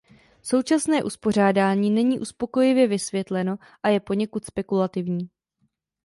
Současné uspořádání není uspokojivě vysvětleno a je poněkud spekulativní.